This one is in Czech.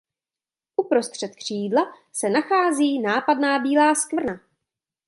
Uprostřed křídla se nachází nápadná bílá skvrna.